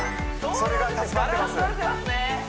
それが助かってます